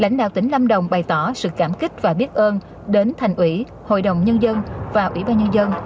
lãnh đạo tỉnh lâm đồng bày tỏ sự cảm kích và biết ơn đến thành ủy hội đồng nhân dân và ủy ban nhân dân